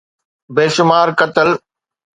بيشمار قتل.